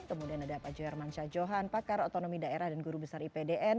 kemudian ada pak joyer mansyah johan pakar otonomi daerah dan guru besar ipdn